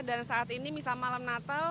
dan saat ini nisa malam natal